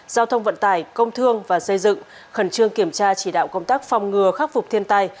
giao thông vận tải công thương và xây dựng khẩn trương kiểm tra chỉ đạo công tác phòng ngừa khắc phục thiên tai